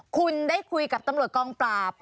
คุณได้คุยกับตำรวจกองปราบ